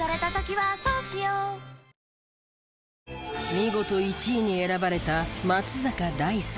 見事１位に選ばれた松坂大輔。